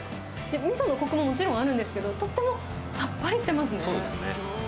みそのこくももちろんあるんですけど、とてもさっぱりしてますね。